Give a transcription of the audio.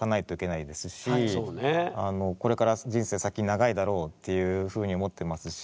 これから人生先長いだろうっていうふうに思ってますし。